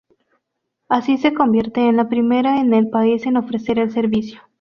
Así se convierte en la primera en el país en ofrecer el servicio.